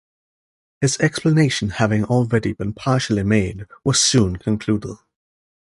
His explanation having already been partially made, was soon concluded.